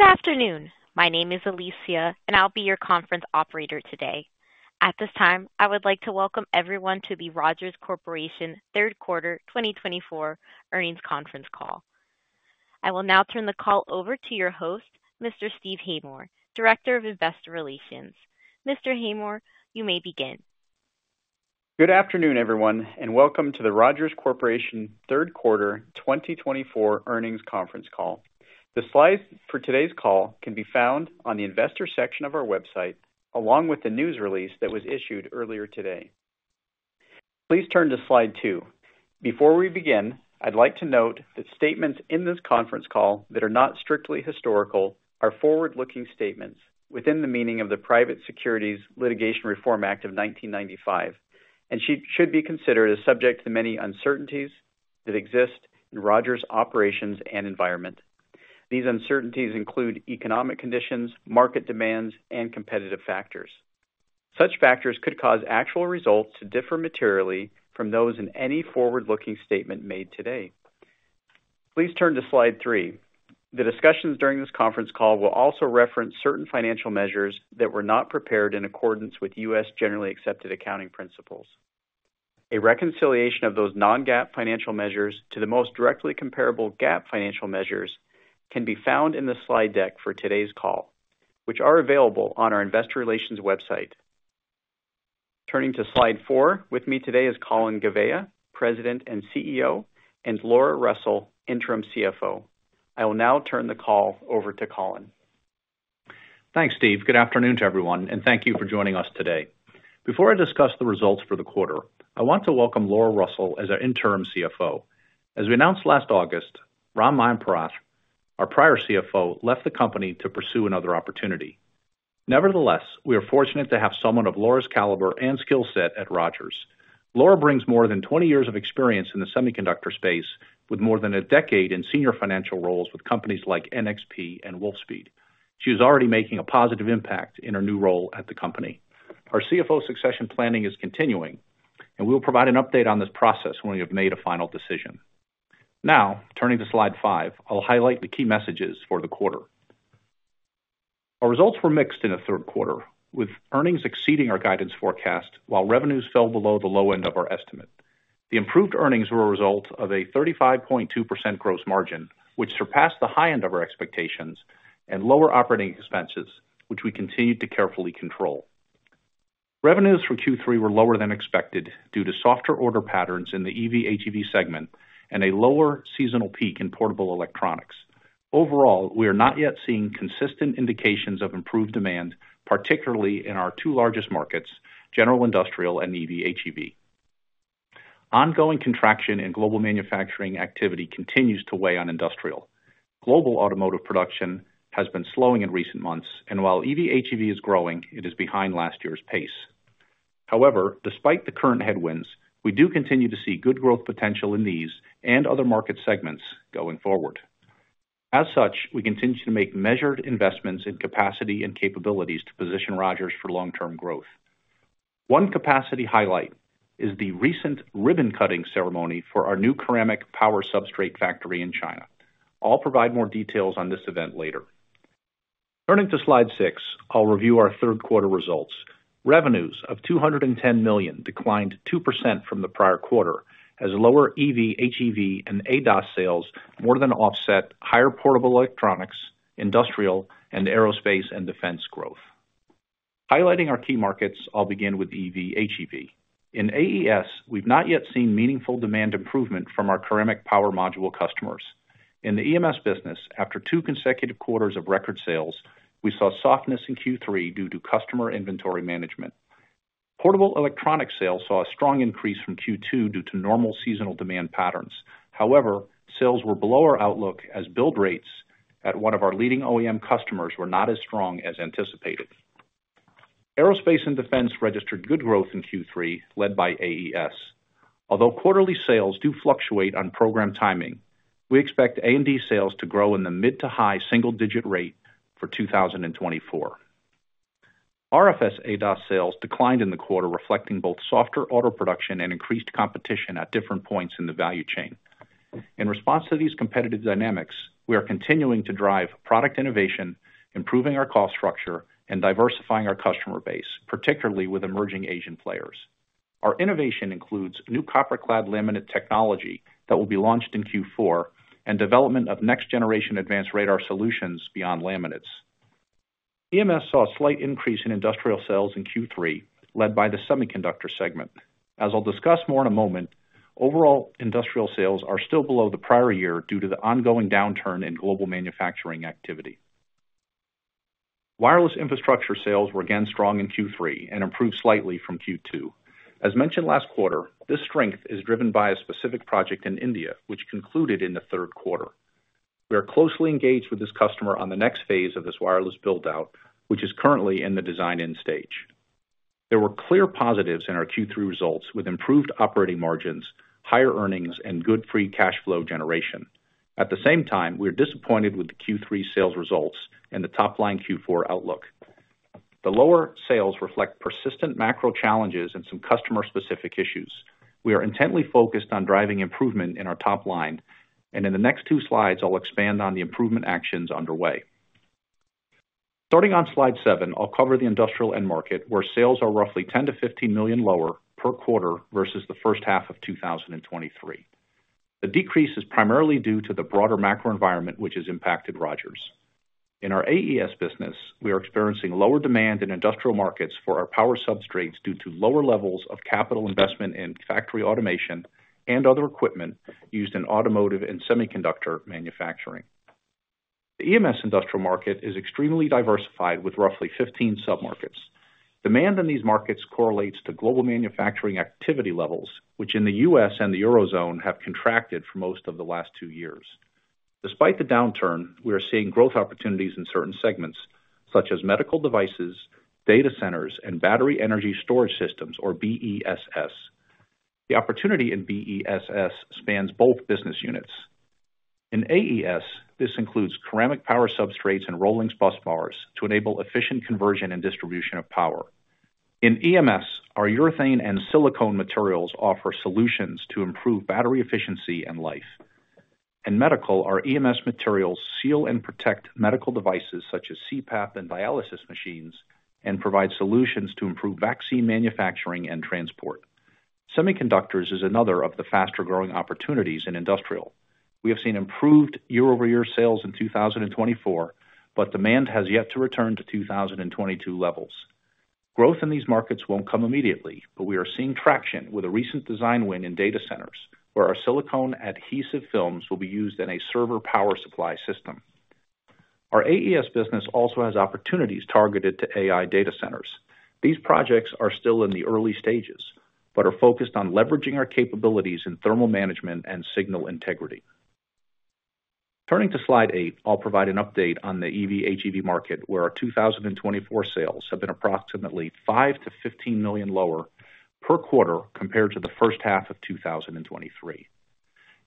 Good afternoon. My name is Alicia, and I'll be your conference operator today. At this time, I would like to welcome everyone to the Rogers Corporation third quarter twenty twenty-four earnings conference call. I will now turn the call over to your host, Mr. Steve Haymore, Director of Investor Relations. Mr. Haymore, you may begin. Good afternoon, everyone, and welcome to the Rogers Corporation third quarter twenty twenty-four earnings conference call. The slides for today's call can be found on the investor section of our website, along with the news release that was issued earlier today. Please turn to slide two. Before we begin, I'd like to note that statements in this conference call that are not strictly historical are forward-looking statements within the meaning of the Private Securities Litigation Reform Act of 1995, and should be considered as subject to many uncertainties that exist in Rogers' operations and environment. These uncertainties include economic conditions, market demands, and competitive factors. Such factors could cause actual results to differ materially from those in any forward-looking statement made today. Please turn to slide three. The discussions during this conference call will also reference certain financial measures that were not prepared in accordance with U.S. generally accepted accounting principles. A reconciliation of those non-GAAP financial measures to the most directly comparable GAAP financial measures can be found in the slide deck for today's call, which are available on our investor relations website. Turning to slide four, with me today is Colin Gouveia, President and CEO, and Laura Russell, Interim CFO. I will now turn the call over to Colin. Thanks, Steve. Good afternoon to everyone, and thank you for joining us today. Before I discuss the results for the quarter, I want to welcome Laura Russell as our interim CFO. As we announced last August, Ram Mayampurath, our prior CFO, left the company to pursue another opportunity. Nevertheless, we are fortunate to have someone of Laura's caliber and skill set at Rogers. Laura brings more than twenty years of experience in the semiconductor space, with more than a decade in senior financial roles with companies like NXP and Wolfspeed. She is already making a positive impact in her new role at the company. Our CFO succession planning is continuing, and we will provide an update on this process when we have made a final decision. Now, turning to slide five, I'll highlight the key messages for the quarter. Our results were mixed in the third quarter, with earnings exceeding our guidance forecast, while revenues fell below the low end of our estimate. The improved earnings were a result of a 35.2% gross margin, which surpassed the high end of our expectations and lower operating expenses, which we continued to carefully control. Revenues for Q3 were lower than expected due to softer order patterns in the EV/HEV segment and a lower seasonal peak in portable electronics. Overall, we are not yet seeing consistent indications of improved demand, particularly in our two largest markets, general industrial and EV/HEV. Ongoing contraction in global manufacturing activity continues to weigh on industrial. Global automotive production has been slowing in recent months, and while EV/HEV is growing, it is behind last year's pace. However, despite the current headwinds, we do continue to see good growth potential in these and other market segments going forward. As such, we continue to make measured investments in capacity and capabilities to position Rogers for long-term growth. One capacity highlight is the recent ribbon-cutting ceremony for our new ceramic power substrate factory in China. I'll provide more details on this event later. Turning to slide six, I'll review our third quarter results. Revenues of $210 million declined 2% from the prior quarter, as lower EV/HEV and ADAS sales more than offset higher portable electronics, industrial, and aerospace and defense growth. Highlighting our key markets, I'll begin with EV/HEV. In AES, we've not yet seen meaningful demand improvement from our ceramic power module customers. In the EMS business, after two consecutive quarters of record sales, we saw softness in Q3 due to customer inventory management. Portable electronics sales saw a strong increase from Q2 due to normal seasonal demand patterns. However, sales were below our outlook as build rates at one of our leading OEM customers were not as strong as anticipated. Aerospace and Defense registered good growth in Q3, led by AES. Although quarterly sales do fluctuate on program timing, we expect A&D sales to grow in the mid to high single-digit rate for 2024. AES ADAS sales declined in the quarter, reflecting both softer auto production and increased competition at different points in the value chain. In response to these competitive dynamics, we are continuing to drive product innovation, improving our cost structure, and diversifying our customer base, particularly with emerging Asian players. Our innovation includes new copper clad laminate technology that will be launched in Q4 and development of next generation advanced radar solutions beyond laminates. EMS saw a slight increase in industrial sales in Q3, led by the semiconductor segment. As I'll discuss more in a moment, overall industrial sales are still below the prior year due to the ongoing downturn in global manufacturing activity. Wireless infrastructure sales were again strong in Q3 and improved slightly from Q2. As mentioned last quarter, this strength is driven by a specific project in India, which concluded in the third quarter. We are closely engaged with this customer on the next phase of this wireless build-out, which is currently in the design-in stage. There were clear positives in our Q3 results, with improved operating margins, higher earnings, and good free cash flow generation. At the same time, we are disappointed with the Q3 sales results and the top-line Q4 outlook. The lower sales reflect persistent macro challenges and some customer-specific issues. We are intently focused on driving improvement in our top line, and in the next two slides, I'll expand on the improvement actions underway. Starting on slide seven, I'll cover the industrial end market, where sales are roughly $10-$15 million lower per quarter versus the first half of 2023. The decrease is primarily due to the broader macro environment, which has impacted Rogers. In our AES business, we are experiencing lower demand in industrial markets for our power substrates due to lower levels of capital investment in factory automation and other equipment used in automotive and semiconductor manufacturing. The EMS industrial market is extremely diversified, with roughly 15 submarkets. Demand in these markets correlates to global manufacturing activity levels, which in the U.S. and the Eurozone have contracted for most of the last two years. Despite the downturn, we are seeing growth opportunities in certain segments such as medical devices, data centers, and battery energy storage systems, or BESS. The opportunity in BESS spans both business units. In AES, this includes ceramic power substrates and ROLINX busbars to enable efficient conversion and distribution of power. In EMS, our urethane and silicone materials offer solutions to improve battery efficiency and life. In medical, our EMS materials seal and protect medical devices such as CPAP and dialysis machines, and provide solutions to improve vaccine manufacturing and transport. Semiconductors is another of the faster-growing opportunities in industrial. We have seen improved year-over-year sales in 2024, but demand has yet to return to 2022 levels. Growth in these markets won't come immediately, but we are seeing traction with a recent design win in data centers, where our silicone adhesive films will be used in a server power supply system. Our AES business also has opportunities targeted to AI data centers. These projects are still in the early stages, but are focused on leveraging our capabilities in thermal management and signal integrity. Turning to slide eight, I'll provide an update on the EV/HEV market, where our 2024 sales have been approximately $5-$15 million lower per quarter compared to the first half of 2023.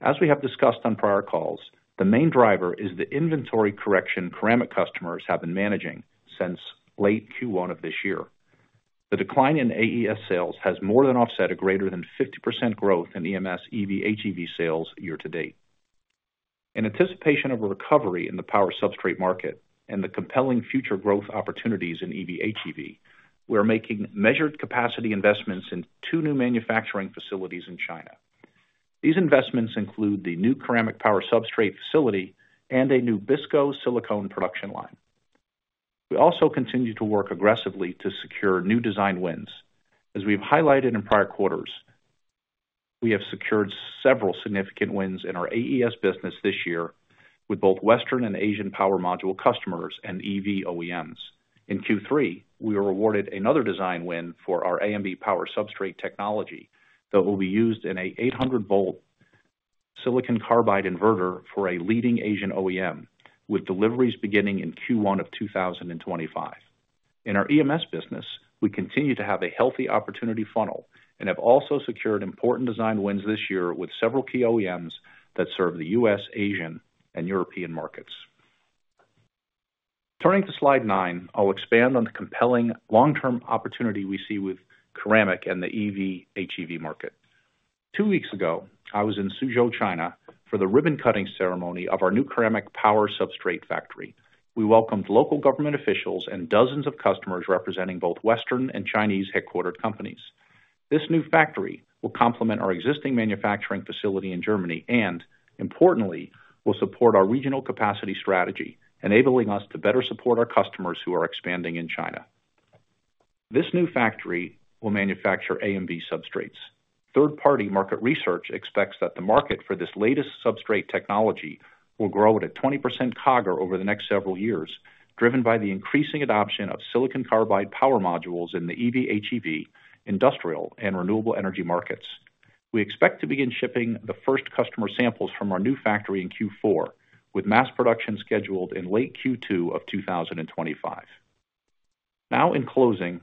As we have discussed on prior calls, the main driver is the inventory correction ceramic customers have been managing since late Q1 of this year. The decline in AES sales has more than offset a greater than 50% growth in EMS, EV/HEV sales year to date. In anticipation of a recovery in the power substrate market and the compelling future growth opportunities in EV/HEV, we are making measured capacity investments in two new manufacturing facilities in China. These investments include the new ceramic power substrate facility and a new BISCO silicone production line. We also continue to work aggressively to secure new design wins. As we've highlighted in prior quarters, we have secured several significant wins in our AES business this year with both Western and Asian power module customers and EV OEMs. In Q3, we were awarded another design win for our AMB power substrate technology that will be used in an 800-volt silicon carbide inverter for a leading Asian OEM, with deliveries beginning in Q1 of 2025. In our EMS business, we continue to have a healthy opportunity funnel and have also secured important design wins this year with several key OEMs that serve the U.S., Asian, and European markets. Turning to slide nine, I'll expand on the compelling long-term opportunity we see with ceramic and the EV/HEV market. Two weeks ago, I was in Suzhou, China, for the ribbon-cutting ceremony of our new ceramic power substrate factory. We welcomed local government officials and dozens of customers representing both Western and Chinese headquartered companies. This new factory will complement our existing manufacturing facility in Germany and, importantly, will support our regional capacity strategy, enabling us to better support our customers who are expanding in China. This new factory will manufacture AMB substrates. Third-party market research expects that the market for this latest substrate technology will grow at a 20% CAGR over the next several years, driven by the increasing adoption of silicon carbide power modules in the EV/HEV, industrial, and renewable energy markets. We expect to begin shipping the first customer samples from our new factory in Q4, with mass production scheduled in late Q2 of two thousand and twenty-five. Now, in closing,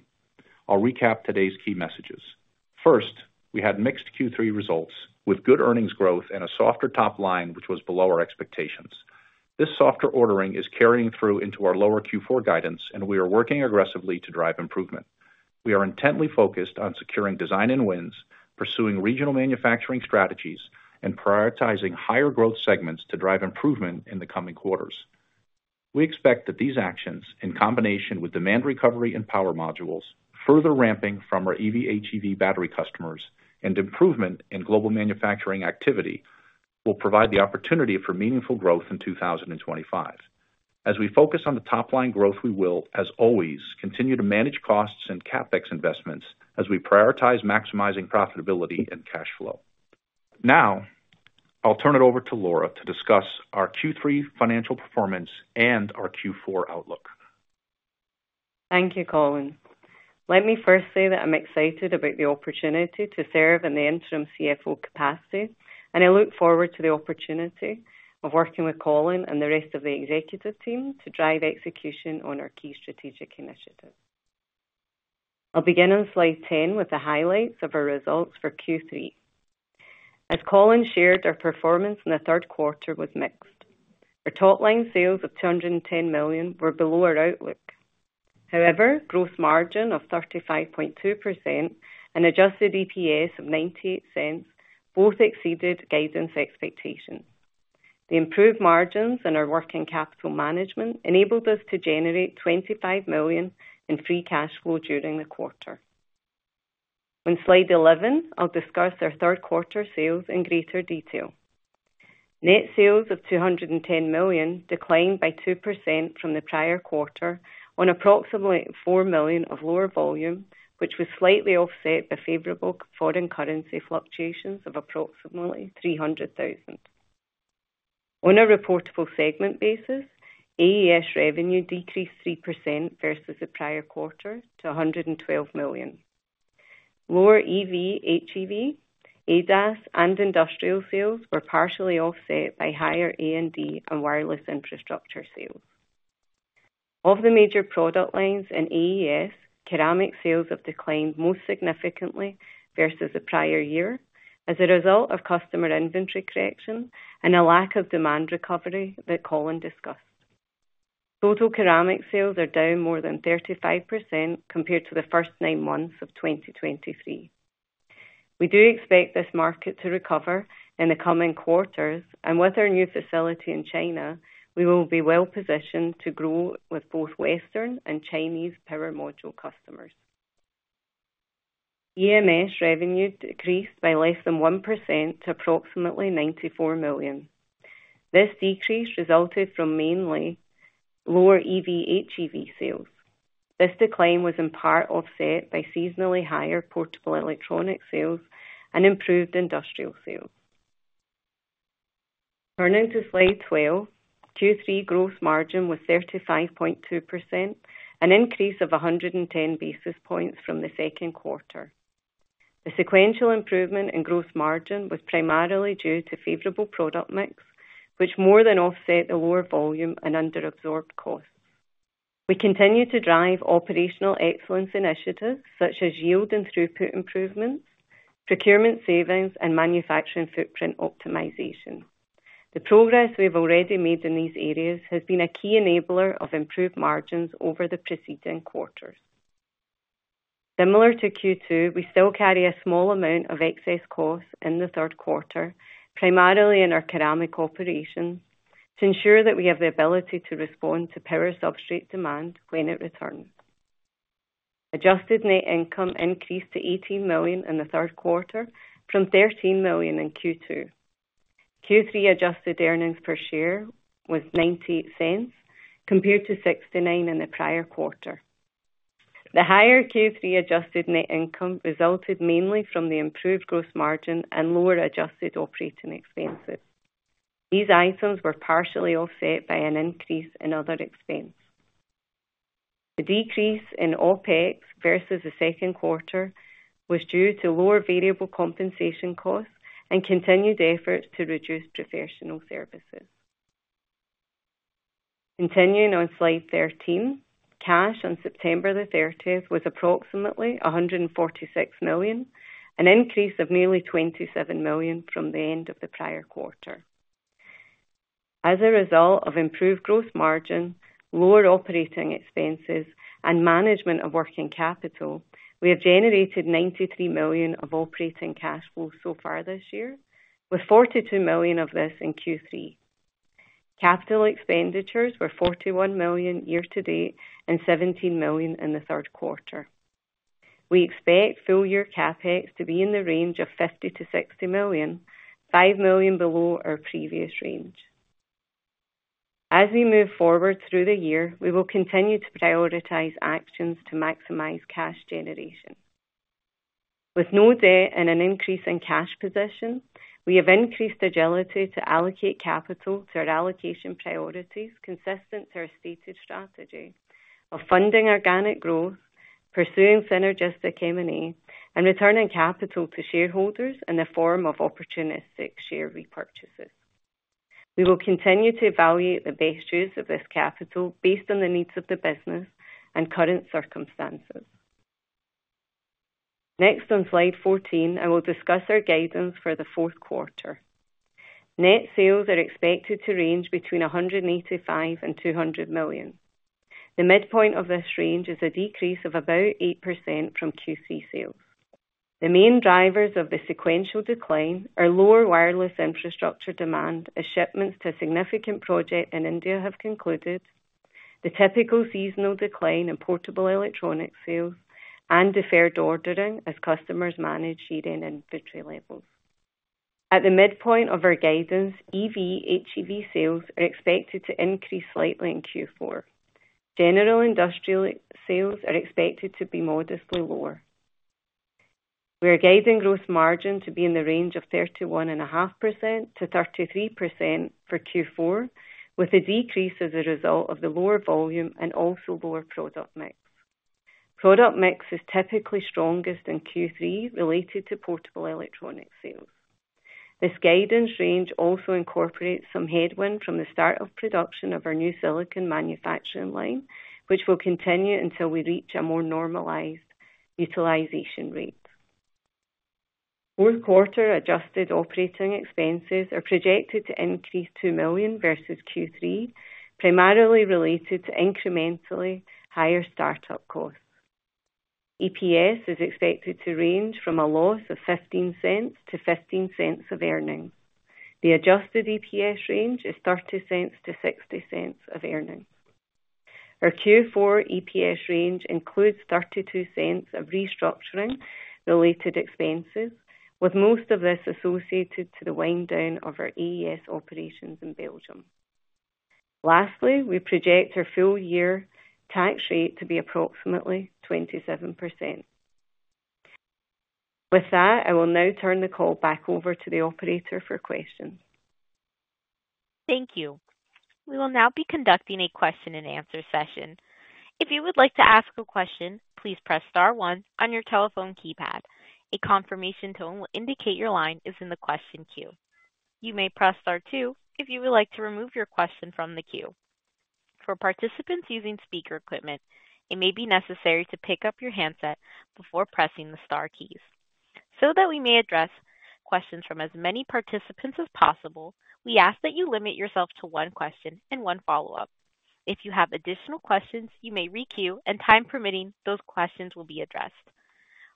I'll recap today's key messages. First, we had mixed Q3 results with good earnings growth and a softer top line, which was below our expectations. This softer ordering is carrying through into our lower Q4 guidance, and we are working aggressively to drive improvement. We are intently focused on securing design wins, pursuing regional manufacturing strategies, and prioritizing higher growth segments to drive improvement in the coming quarters. We expect that these actions, in combination with demand recovery and power modules, further ramping from our EV/HEV battery customers, and improvement in global manufacturing activity, will provide the opportunity for meaningful growth in 2025. As we focus on the top line growth, we will, as always, continue to manage costs and CapEx investments as we prioritize maximizing profitability and cash flow. Now, I'll turn it over to Laura to discuss our Q3 financial performance and our Q4 outlook. Thank you, Colin. Let me first say that I'm excited about the opportunity to serve in the Interim CFO capacity, and I look forward to the opportunity of working with Colin and the rest of the executive team to drive execution on our key strategic initiatives.... I'll begin on slide 10 with the highlights of our results for Q3. As Colin shared, our performance in the third quarter was mixed. Our top-line sales of $210 million were below our outlook. However, gross margin of 35.2% and adjusted EPS of $0.98 both exceeded guidance expectations. The improved margins and our working capital management enabled us to generate $25 million in free cash flow during the quarter. On slide 11, I'll discuss our third quarter sales in greater detail. Net sales of $210 million declined by 2% from the prior quarter on approximately $4 million of lower volume, which was slightly offset by favorable foreign currency fluctuations of approximately $300,000. On a reportable segment basis, AES revenue decreased 3% versus the prior quarter to $112 million. Lower EV/HEV, ADAS, and industrial sales were partially offset by higher A&D and wireless infrastructure sales. Of the major product lines in AES, ceramic sales have declined most significantly versus the prior year as a result of customer inventory correction and a lack of demand recovery that Colin discussed. Total ceramic sales are down more than 35% compared to the first nine months of 2023. We do expect this market to recover in the coming quarters, and with our new facility in China, we will be well positioned to grow with both Western and Chinese power module customers. EMS revenue decreased by less than 1% to approximately $94 million. This decrease resulted from mainly lower EV/HEV sales. This decline was in part offset by seasonally higher portable electronic sales and improved industrial sales. Turning to slide 12, Q3 gross margin was 35.2%, an increase of 110 basis points from the second quarter. The sequential improvement in gross margin was primarily due to favorable product mix, which more than offset the lower volume and under-absorbed costs. We continue to drive operational excellence initiatives such as yield and throughput improvements, procurement savings, and manufacturing footprint optimization. The progress we've already made in these areas has been a key enabler of improved margins over the preceding quarters. Similar to Q2, we still carry a small amount of excess costs in the third quarter, primarily in our ceramic operations, to ensure that we have the ability to respond to power substrate demand when it returns. Adjusted net income increased to $18 million in the third quarter from $13 million in Q2. Q3 adjusted earnings per share was $0.98, compared to $0.69 in the prior quarter. The higher Q3 adjusted net income resulted mainly from the improved gross margin and lower adjusted operating expenses. These items were partially offset by an increase in other expense. The decrease in OpEx versus the second quarter was due to lower variable compensation costs and continued efforts to reduce professional services. Continuing on slide thirteen, cash on September the thirtieth was approximately $146 million, an increase of nearly $27 million from the end of the prior quarter. As a result of improved gross margin, lower operating expenses, and management of working capital, we have generated $93 million of operating cash flow so far this year, with $42 million of this in Q3. Capital expenditures were $41 million year to date and $17 million in the third quarter. We expect full year CapEx to be in the range of $50-$60 million, $5 million below our previous range. As we move forward through the year, we will continue to prioritize actions to maximize cash generation. With no debt and an increase in cash position, we have increased agility to allocate capital to our allocation priorities, consistent to our stated strategy of funding organic growth, pursuing synergistic M&A, and returning capital to shareholders in the form of opportunistic share repurchases. We will continue to evaluate the best use of this capital based on the needs of the business and current circumstances. Next, on slide 14, I will discuss our guidance for the fourth quarter. Net sales are expected to range between $185 million and $200 million. The midpoint of this range is a decrease of about 8% from Q3 sales. The main drivers of the sequential decline are lower wireless infrastructure demand, as shipments to a significant project in India have concluded, the typical seasonal decline in portable electronic sales, and deferred ordering as customers manage year-end inventory levels. At the midpoint of our guidance, EV/HEV sales are expected to increase slightly in Q4. General industrial sales are expected to be modestly lower. We are guiding gross margin to be in the range of 31.5%-33% for Q4, with a decrease as a result of the lower volume and also lower product mix. Product mix is typically strongest in Q3, related to portable electronic sales. This guidance range also incorporates some headwind from the start of production of our new silicone manufacturing line, which will continue until we reach a more normalized utilization rate. Fourth quarter adjusted operating expenses are projected to increase $2 million versus Q3, primarily related to incrementally higher startup costs. EPS is expected to range from a loss of $0.15 to $0.15 of earnings. The adjusted EPS range is $0.30-$0.60 of earnings. Our Q4 EPS range includes $0.32 of restructuring-related expenses, with most of this associated to the wind down of our AES operations in Belgium. Lastly, we project our full year tax rate to be approximately 27%. With that, I will now turn the call back over to the operator for questions. Thank you. We will now be conducting a question-and-answer session. If you would like to ask a question, please press star one on your telephone keypad. A confirmation tone will indicate your line is in the question queue. You may press star two if you would like to remove your question from the queue. For participants using speaker equipment, it may be necessary to pick up your handset before pressing the star keys. So that we may address questions from as many participants as possible, we ask that you limit yourself to one question and one follow-up. If you have additional questions, you may re-queue, and time permitting, those questions will be addressed.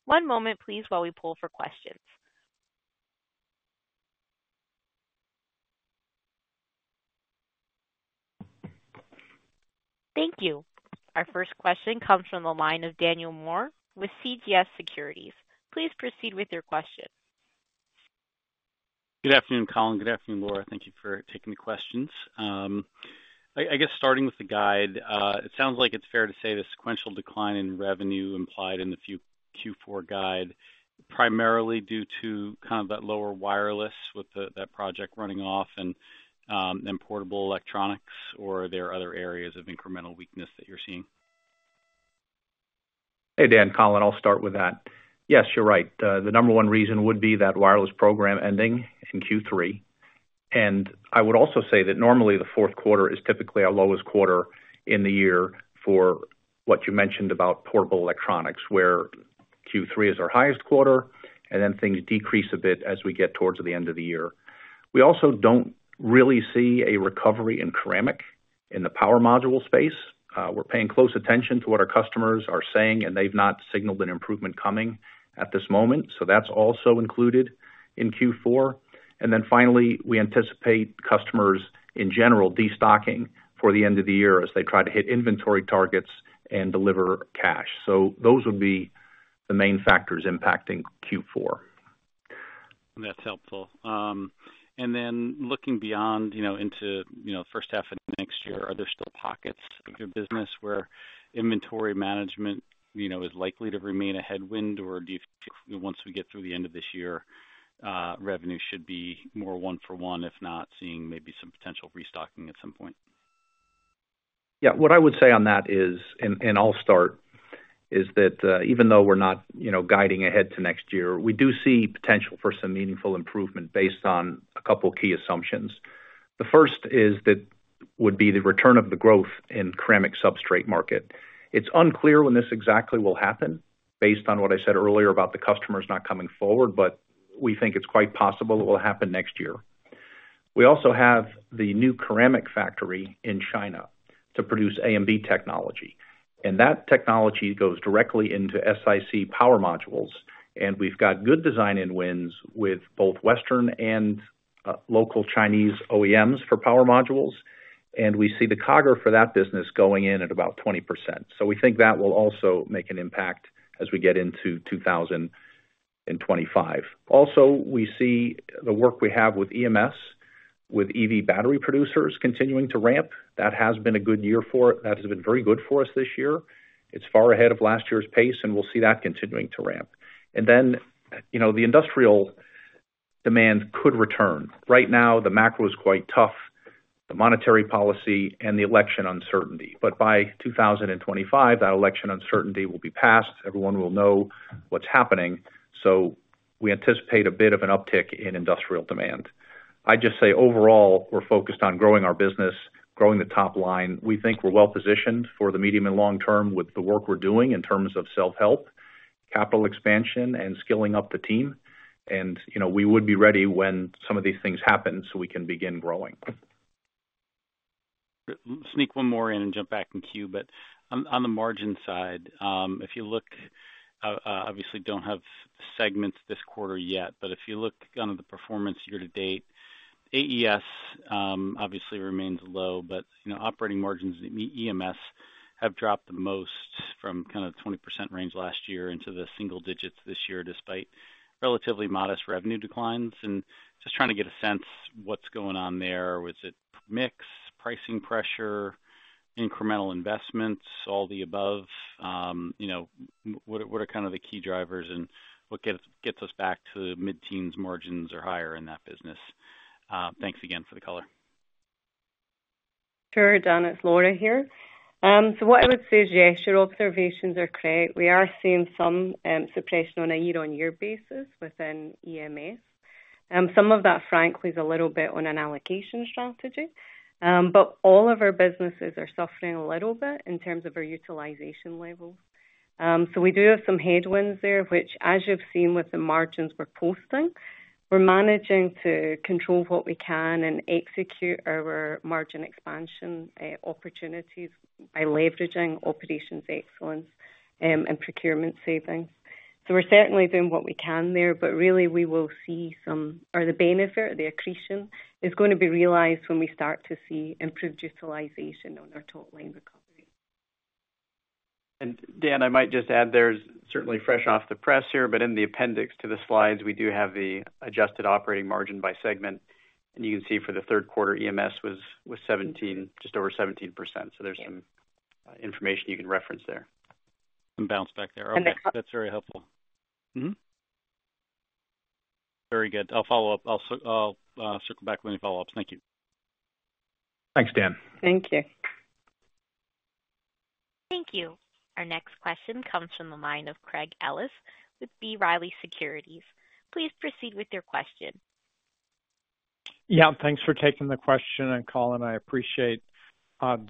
One moment, please, while we pull for questions. Thank you. Our first question comes from the line of Daniel Moore with CJS Securities. Please proceed with your question. Good afternoon, Colin. Good afternoon, Laura. Thank you for taking the questions. I guess starting with the guide, it sounds like it's fair to say the sequential decline in revenue implied in the Q4 guide, primarily due to kind of that lower wireless with that project running off and, and portable electronics, or are there other areas of incremental weakness that you're seeing? Hey, Dan. Colin, I'll start with that. Yes, you're right. The number one reason would be that wireless program ending in Q3. And I would also say that normally the fourth quarter is typically our lowest quarter in the year for what you mentioned about portable electronics, where Q3 is our highest quarter, and then things decrease a bit as we get towards the end of the year. We also don't really see a recovery in ceramic in the power module space. We're paying close attention to what our customers are saying, and they've not signaled an improvement coming at this moment, so that's also included in Q4. And then finally, we anticipate customers, in general, destocking for the end of the year as they try to hit inventory targets and deliver cash. So those would be the main factors impacting Q4. That's helpful, and then looking beyond, you know, into, you know, first half of next year, are there still pockets of your business where inventory management, you know, is likely to remain a headwind? Or do you feel once we get through the end of this year, revenue should be more one for one, if not seeing maybe some potential restocking at some point? Yeah, what I would say on that is, and I'll start, is that, even though we're not, you know, guiding ahead to next year, we do see potential for some meaningful improvement based on a couple key assumptions. The first is that would be the return of the growth in ceramic substrate market. It's unclear when this exactly will happen, based on what I said earlier about the customers not coming forward, but we think it's quite possible it will happen next year. We also have the new ceramic factory in China to produce AMB technology, and that technology goes directly into SiC power modules, and we've got good design wins with both Western and local Chinese OEMs for power modules. And we see the CAGR for that business going in at about 20%. So we think that will also make an impact as we get into two thousand and twenty-five. Also, we see the work we have with EMS, with EV battery producers continuing to ramp. That has been a good year for it. That has been very good for us this year. It's far ahead of last year's pace, and we'll see that continuing to ramp. And then, you know, the industrial demand could return. Right now, the macro is quite tough, the monetary policy and the election uncertainty, but by two thousand and twenty-five, that election uncertainty will be passed. Everyone will know what's happening, so we anticipate a bit of an uptick in industrial demand. I'd just say overall, we're focused on growing our business, growing the top line. We think we're well positioned for the medium and long term with the work we're doing in terms of self-help, capital expansion, and skilling up the team. And, you know, we would be ready when some of these things happen, so we can begin growing. Sneak one more in and jump back in queue, but on the margin side, if you look, obviously don't have segments this quarter yet, but if you look on the performance year to date, AES obviously remains low, but you know, operating margins in EMS have dropped the most from kind of 20% range last year into the single digits this year, despite relatively modest revenue declines. And just trying to get a sense what's going on there. Was it mix, pricing pressure, incremental investments, all the above? You know, what are kind of the key drivers and what gets us back to mid-teens margins or higher in that business? Thanks again for the color. Sure, Dan, it's Laura here. So what I would say is, yes, your observations are correct. We are seeing some suppression on a year-on-year basis within EMS. Some of that, frankly, is a little bit on an allocation strategy. But all of our businesses are suffering a little bit in terms of our utilization levels. So we do have some headwinds there, which as you've seen with the margins we're posting, we're managing to control what we can and execute our margin expansion opportunities by leveraging operations excellence and procurement savings. So we're certainly doing what we can there, but really we will see some, or the benefit, the accretion, is gonna be realized when we start to see improved utilization on our top line recovery. And Dan, I might just add, there's certainly fresh off the press here, but in the appendix to the slides, we do have the adjusted operating margin by segment. And you can see for the third quarter, EMS was seventeen, just over 17%. So there's some information you can reference there. Some bounce back there. Okay, that's very helpful. Very good. I'll follow up. I'll circle back with any follow-ups. Thank you. Thanks, Dan. Thank you. Thank you. Our next question comes from the line of Craig Ellis with B. Riley Securities. Please proceed with your question. Yeah, thanks for taking the question. And Colin, I appreciate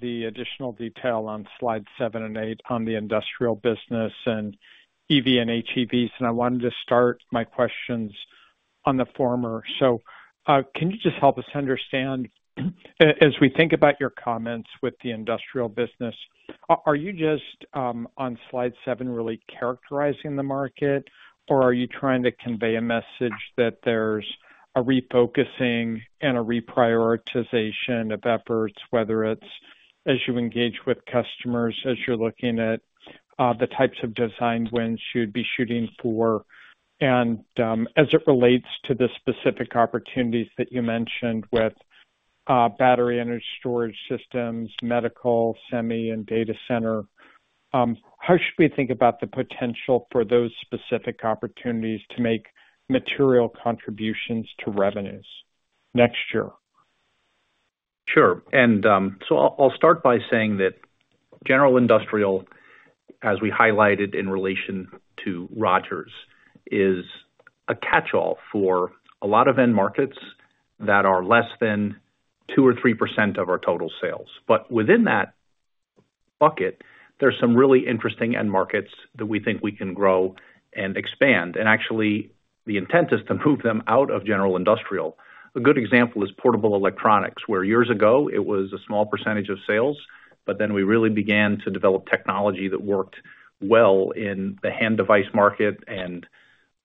the additional detail on slide seven and eight on the industrial business and EV and HEVs, and I wanted to start my questions on the former. So, can you just help us understand, as we think about your comments with the industrial business, are you just on slide seven, really characterizing the market? Or are you trying to convey a message that there's a refocusing and a reprioritization of efforts, whether it's as you engage with customers, as you're looking at the types of design wins you'd be shooting for, and as it relates to the specific opportunities that you mentioned with battery energy storage systems, medical, semi, and data center, how should we think about the potential for those specific opportunities to make material contributions to revenues next year? Sure. And so I'll start by saying that general industrial, as we highlighted in relation to Rogers, is a catchall for a lot of end markets that are less than 2% or 3% of our total sales. But within that bucket, there's some really interesting end markets that we think we can grow and expand. And actually, the intent is to move them out of general industrial. A good example is portable electronics, where years ago it was a small percentage of sales, but then we really began to develop technology that worked well in the hand device market and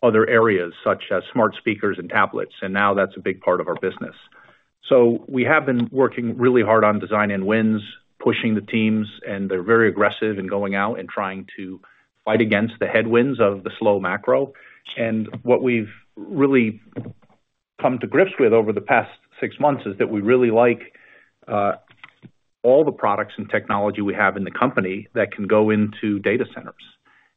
other areas, such as smart speakers and tablets, and now that's a big part of our business. We have been working really hard on design wins, pushing the teams, and they're very aggressive in going out and trying to fight against the headwinds of the slow macro. What we've really come to grips with over the past six months is that we really like all the products and technology we have in the company that can go into data centers.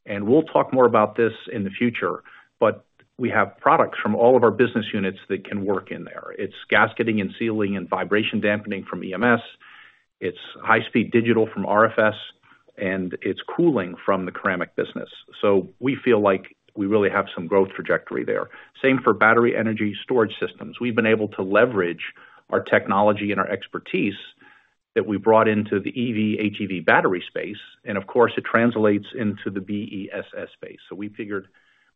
We'll talk more about this in the future, but we have products from all of our business units that can work in there. It's gasketing and sealing and vibration dampening from EMS, it's high speed digital from AES, and it's cooling from the ceramic business. We feel like we really have some growth trajectory there. Same for battery energy storage systems. We've been able to leverage our technology and our expertise that we brought into the EV/HEV battery space, and of course, it translates into the BESS space. So we figured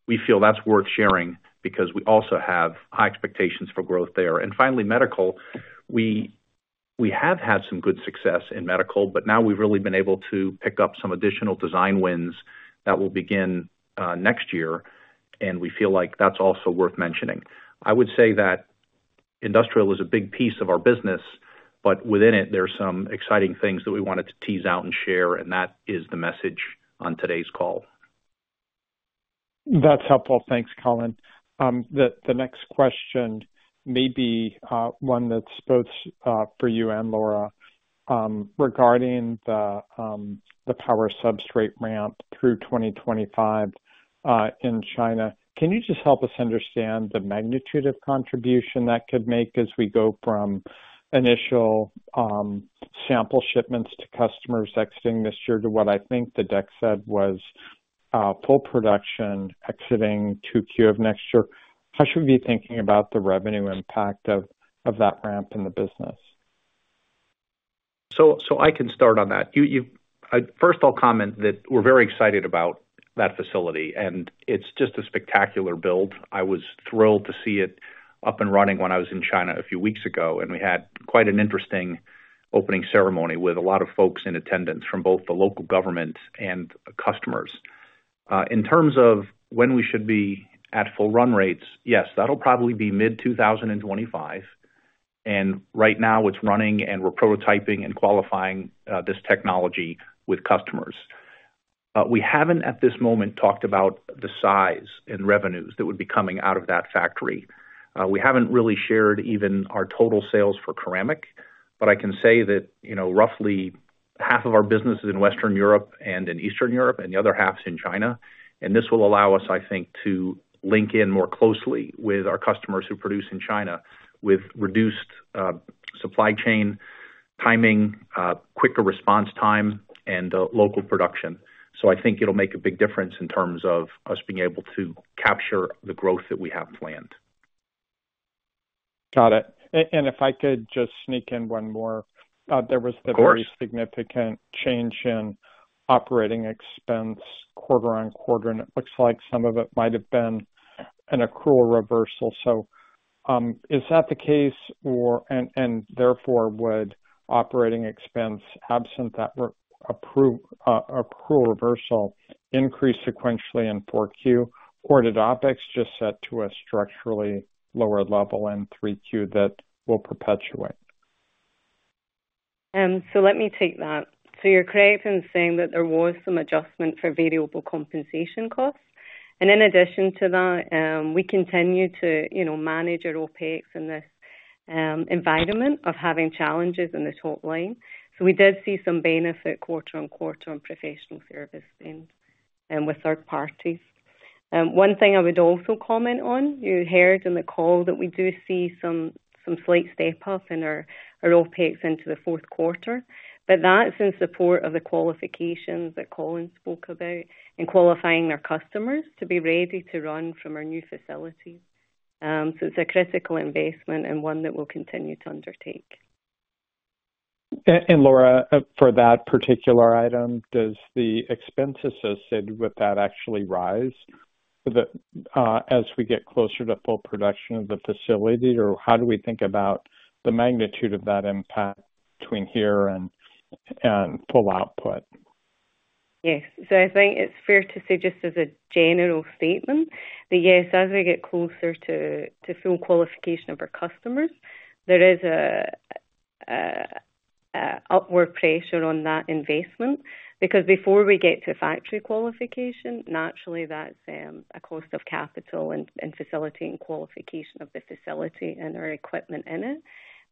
we feel that's worth sharing because we also have high expectations for growth there. And finally, medical. We have had some good success in medical, but now we've really been able to pick up some additional design wins that will begin next year, and we feel like that's also worth mentioning. I would say that industrial is a big piece of our business, but within it, there are some exciting things that we wanted to tease out and share, and that is the message on today's call. That's helpful. Thanks, Colin. The next question may be one that's both for you and Laura. Regarding the power substrate ramp through twenty twenty-five in China, can you just help us understand the magnitude of contribution that could make as we go from initial sample shipments to customers exiting this year to what I think the deck said was full production exiting 2Q of next year? How should we be thinking about the revenue impact of that ramp in the business? I can start on that. You. First of all, comment that we're very excited about that facility, and it's just a spectacular build. I was thrilled to see it up and running when I was in China a few weeks ago, and we had quite an interesting opening ceremony with a lot of folks in attendance from both the local government and customers. In terms of when we should be at full run rates, yes, that'll probably be mid-2025, and right now it's running and we're prototyping and qualifying this technology with customers. We haven't, at this moment, talked about the size and revenues that would be coming out of that factory. We haven't really shared even our total sales for ceramic, but I can say that, you know, roughly... Half of our business is in Western Europe and in Eastern Europe, and the other half's in China. And this will allow us, I think, to link in more closely with our customers who produce in China, with reduced supply chain timing, quicker response time, and local production. So I think it'll make a big difference in terms of us being able to capture the growth that we have planned. Got it. And if I could just sneak in one more. Of course. There was a very significant change in operating expense quarter on quarter, and it looks like some of it might have been an accrual reversal. So, is that the case or, and therefore, would operating expense, absent that accrual reversal, increase sequentially in Q4, or did OpEx just set to a structurally lower level in Q3 that will perpetuate? So let me take that. So you're correct in saying that there was some adjustment for variable compensation costs. And in addition to that, we continue to, you know, manage our OpEx in this environment of having challenges in the top line. So we did see some benefit quarter on quarter on professional service and with third parties. One thing I would also comment on, you heard in the call that we do see some slight step up in our OpEx into the fourth quarter, but that's in support of the qualifications that Colin spoke about in qualifying our customers to be ready to run from our new facility. So it's a critical investment and one that we'll continue to undertake. Laura, for that particular item, does the expense associated with that actually rise as we get closer to full production of the facility? Or how do we think about the magnitude of that impact between here and full output? Yes. So I think it's fair to say, just as a general statement, that yes, as we get closer to full qualification of our customers, there is an upward pressure on that investment, because before we get to factory qualification, naturally that's a cost of capital and facility and qualification of the facility and our equipment in it.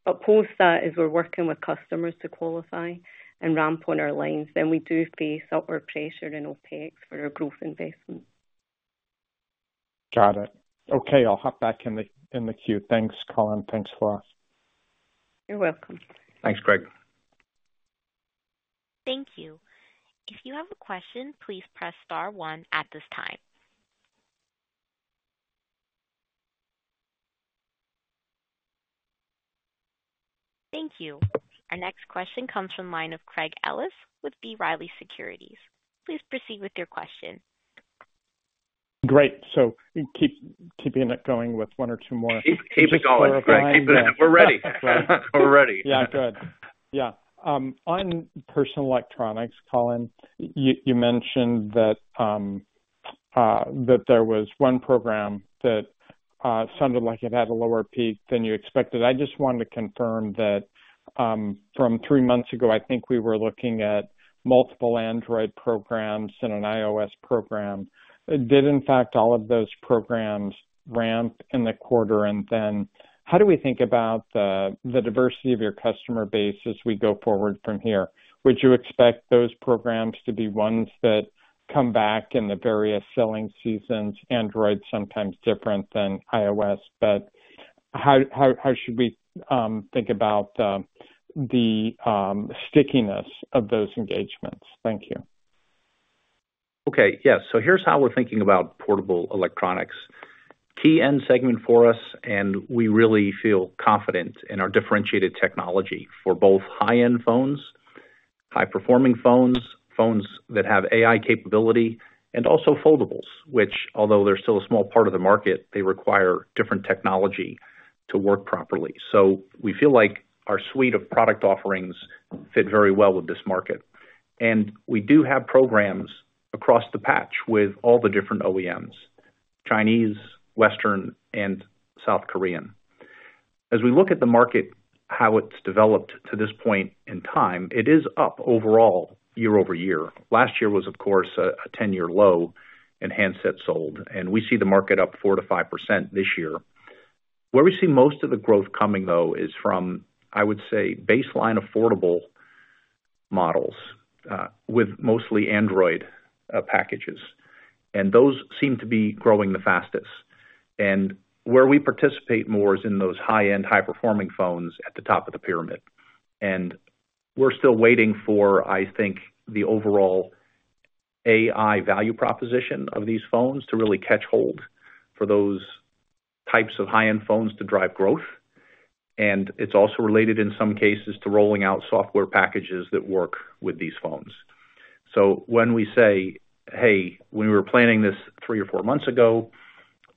But post that, as we're working with customers to qualify and ramp on our lines, then we do face upward pressure in OpEx for our growth investment. Got it. Okay, I'll hop back in the, in the queue. Thanks, Colin. Thanks, Laura. You're welcome. Thanks, Craig. Thank you. If you have a question, please press star one at this time. Thank you. Our next question comes from the line of Craig Ellis with B. Riley Securities. Please proceed with your question. Great. So keep it going with one or two more. Keep, keep it going, Craig. Keep it in. We're ready. We're ready. Yeah. Good. Yeah. On personal electronics, Colin, you mentioned that there was one program that sounded like it had a lower peak than you expected. I just wanted to confirm that from three months ago, I think we were looking at multiple Android programs and an iOS program. Did in fact all of those programs ramp in the quarter? And then how do we think about the diversity of your customer base as we go forward from here? Would you expect those programs to be ones that come back in the various selling seasons, Android sometimes different than iOS, but how should we think about the stickiness of those engagements? Thank you. Okay, yes. So here's how we're thinking about portable electronics. Key end segment for us, and we really feel confident in our differentiated technology for both high-end phones, high-performing phones, phones that have AI capability, and also foldables, which although they're still a small part of the market, they require different technology to work properly. So we feel like our suite of product offerings fit very well with this market. And we do have programs across the board with all the different OEMs, Chinese, Western, and South Korean. As we look at the market, how it's developed to this point in time, it is up overall, year-over-year. Last year was, of course, a ten-year low in handsets sold, and we see the market up 4%-5% this year. Where we see most of the growth coming, though, is from, I would say, baseline affordable models, with mostly Android, packages, and those seem to be growing the fastest. And where we participate more is in those high-end, high-performing phones at the top of the pyramid. And we're still waiting for, I think, the overall AI value proposition of these phones to really catch hold for those types of high-end phones to drive growth. And it's also related, in some cases, to rolling out software packages that work with these phones. So when we say, "Hey, when we were planning this three or four months ago,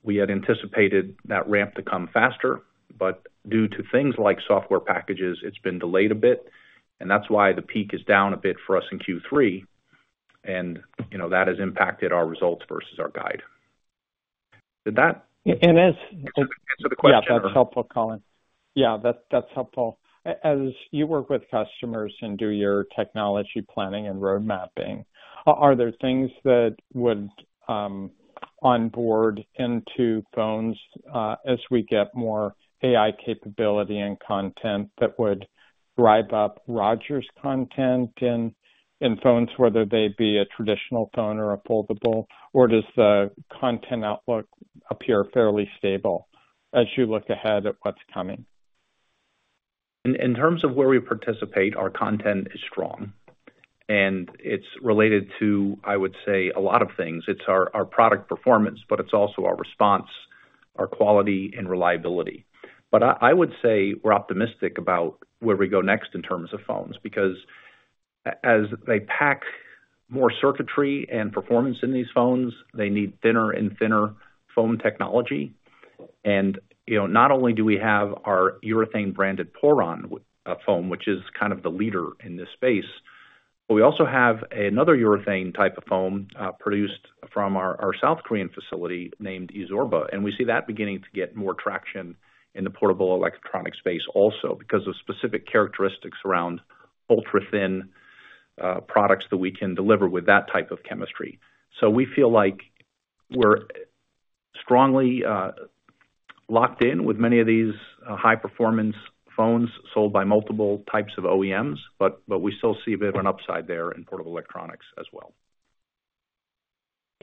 we had anticipated that ramp to come faster, but due to things like software packages, it's been delayed a bit, and that's why the peak is down a bit for us in Q3, and, you know, that has impacted our results versus our guide." Did that- And as- Answer the question or? Yeah, that's helpful, Colin. Yeah, that's helpful. As you work with customers and do your technology planning and road mapping, are there things that would onboard into phones as we get more AI capability and content that would drive up Rogers content in phones, whether they be a traditional phone or a foldable? Or does the content outlook appear fairly stable as you look ahead at what's coming? In terms of where we participate, our content is strong, and it's related to, I would say, a lot of things. It's our product performance, but it's also our response, our quality and reliability. But I would say we're optimistic about where we go next in terms of phones, because as they pack more circuitry and performance in these phones, they need thinner and thinner foam technology. And you know, not only do we have our urethane branded PORON foam, which is kind of the leader in this space, but we also have another urethane type of foam produced from our South Korean facility named eSORBA. And we see that beginning to get more traction in the portable electronic space also, because of specific characteristics around ultra-thin products that we can deliver with that type of chemistry. So we feel like we're strongly locked in with many of these high performance phones sold by multiple types of OEMs, but we still see a bit of an upside there in portable electronics as well.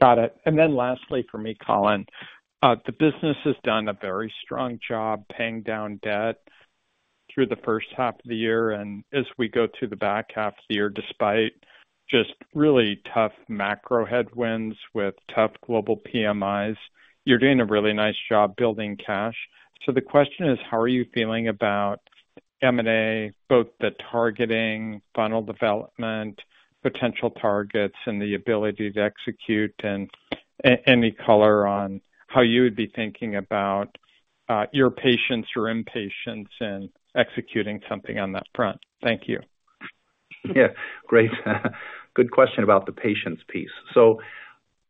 Got it. And then lastly for me, Colin, the business has done a very strong job paying down debt through the first half of the year, and as we go through the back half of the year, despite just really tough macro headwinds with tough global PMIs, you're doing a really nice job building cash. So the question is: how are you feeling about M&A, both the targeting, funnel development, potential targets, and the ability to execute? And any color on how you would be thinking about your patience or impatience in executing something on that front. Thank you. Yeah, great. Good question about the patience piece. So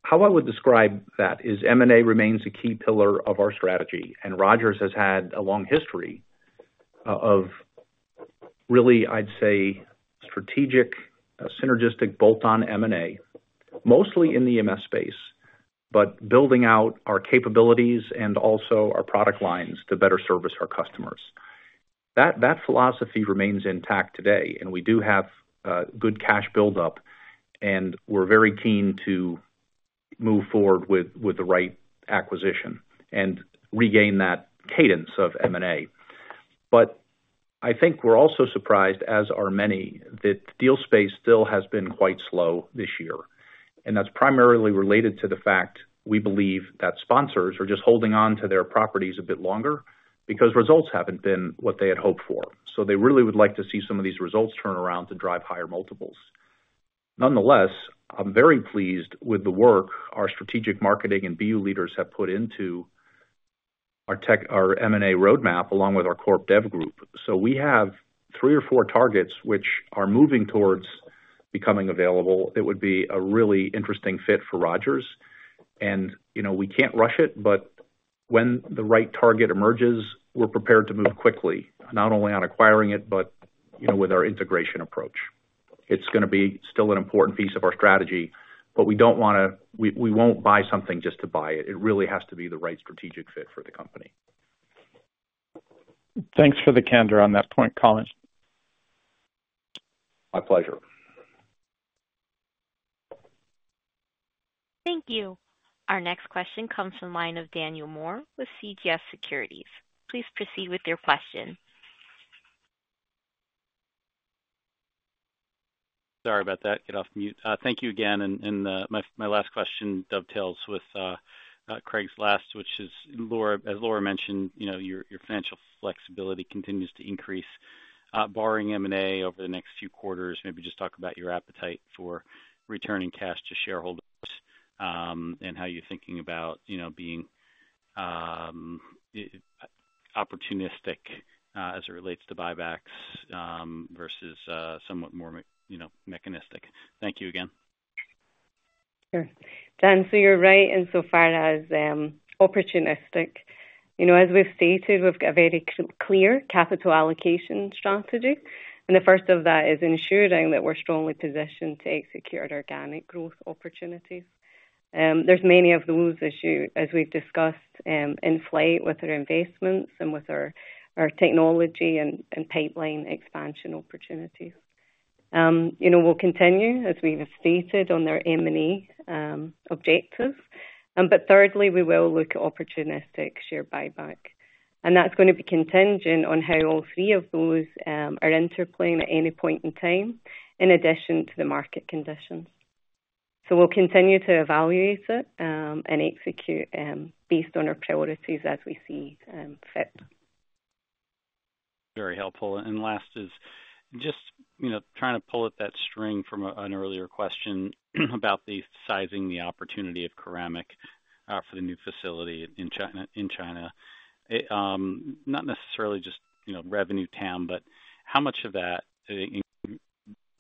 how I would describe that is M&A remains a key pillar of our strategy, and Rogers has had a long history, of really, I'd say, strategic, synergistic, bolt-on M&A, mostly in the EMS space, but building out our capabilities and also our product lines to better service our customers. That, that philosophy remains intact today, and we do have, good cash buildup, and we're very keen to move forward with, with the right acquisition and regain that cadence of M&A. But I think we're also surprised, as are many, that deal space still has been quite slow this year, and that's primarily related to the fact, we believe, that sponsors are just holding on to their properties a bit longer because results haven't been what they had hoped for. So they really would like to see some of these results turn around to drive higher multiples. Nonetheless, I'm very pleased with the work our strategic marketing and BU leaders have put into our M&A roadmap, along with our corp dev group. So we have three or four targets which are moving towards becoming available. It would be a really interesting fit for Rogers. And, you know, we can't rush it, but when the right target emerges, we're prepared to move quickly, not only on acquiring it but, you know, with our integration approach. It's gonna be still an important piece of our strategy, but we don't wanna. We won't buy something just to buy it. It really has to be the right strategic fit for the company. Thanks for the candor on that point, Colin. My pleasure. Thank you. Our next question comes from the line of Daniel Moore with CJS Securities. Please proceed with your question. Sorry about that, get off mute. Thank you again, and my last question dovetails with Craig's last, which is Laura, as Laura mentioned, you know, your financial flexibility continues to increase. Barring M&A over the next few quarters, maybe just talk about your appetite for returning cash to shareholders, and how you're thinking about, you know, being opportunistic as it relates to buybacks versus somewhat more mechanical. Thank you again. Sure. Dan, so you're right in so far as, opportunistic. You know, as we've stated, we've got a very clear capital allocation strategy, and the first of that is ensuring that we're strongly positioned to execute organic growth opportunities. There's many of those, as you, as we've discussed, in flight with our investments and with our, our technology and, and pipeline expansion opportunities. You know, we'll continue, as we've stated, on their M&A, objectives. But thirdly, we will look at opportunistic share buyback, and that's gonna be contingent on how all three of those, are interplaying at any point in time, in addition to the market conditions. So we'll continue to evaluate it, and execute, based on our priorities as we see, fit. Very helpful. Last is just, you know, trying to pull at that string from an earlier question about the sizing, the opportunity of ceramic for the new facility in China. It. Not necessarily just, you know, revenue TAM, but how much of that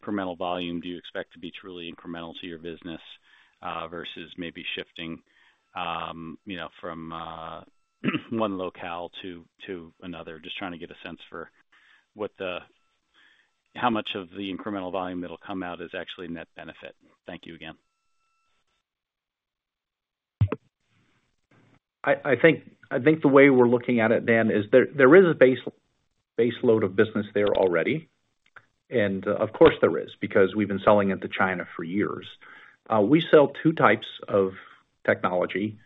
incremental volume do you expect to be truly incremental to your business versus maybe shifting, you know, from one locale to another? Just trying to get a sense for what the how much of the incremental volume that'll come out is actually net benefit. Thank you again. I think the way we're looking at it, Dan, is there is a base load of business there already, and of course, there is, because we've been selling it to China for years. We sell two types of technology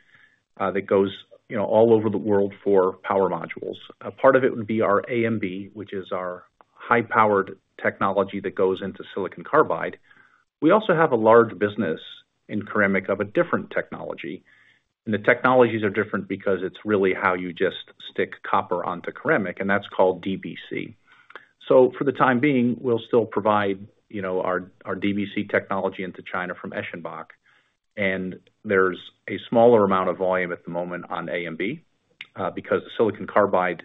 that goes, you know, all over the world for power modules. A part of it would be our AMB, which is our high-powered technology that goes into silicon carbide. We also have a large business in ceramic of a different technology. And the technologies are different because it's really how you just stick copper onto ceramic, and that's called DBC. So for the time being, we'll still provide, you know, our DBC technology into China from Eschenbach, and there's a smaller amount of volume at the moment on AMB, because the silicon carbide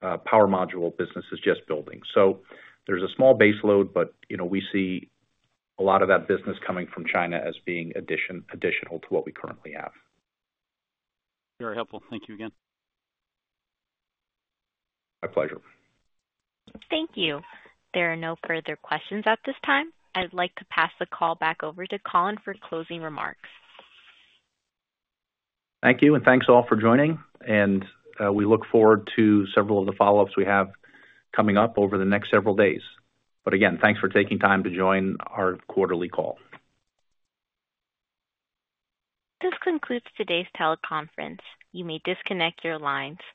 power module business is just building. So there's a small base load, but, you know, we see a lot of that business coming from China as being additional to what we currently have. Very helpful. Thank you again. My pleasure. Thank you. There are no further questions at this time. I'd like to pass the call back over to Colin for closing remarks. Thank you, and thanks, all, for joining, and, we look forward to several of the follow-ups we have coming up over the next several days. But again, thanks for taking time to join our quarterly call. This concludes today's teleconference. You may disconnect your lines.